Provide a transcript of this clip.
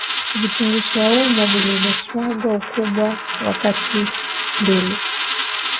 Vitunguu swaumu vilivyo sagwa Ukubwa wa kati mbili